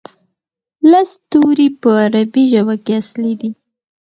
لس توري په عربي ژبه کې اصلي دي.